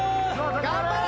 頑張れ！